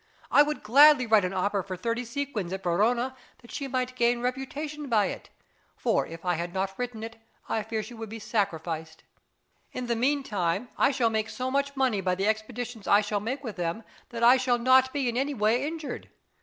I would gladly write an opera for thirty sequins at Verona, that she might gain reputation by it; for if I had not written it I fear she would be sacrificed. In the meantime I shall make so much money by the expeditions I shall make with them that I shall not be in any way injured.